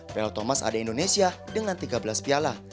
piala thomas ada indonesia dengan tiga belas piala